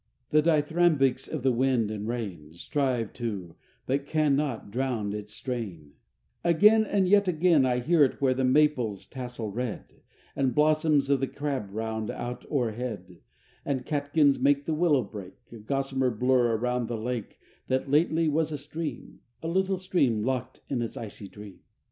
The dithyrambics of the wind and rain Strive to, but can not, drown its strain: Again, and yet again I hear it where the maples tassel red, And blossoms of the crab round out o'erhead, And catkins make the willow brake A gossamer blur around the lake That lately was a stream, A little stream locked in its icy dream.